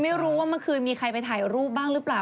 ไม่รู้ว่าเมื่อคืนมีใครไปถ่ายรูปบ้างหรือเปล่า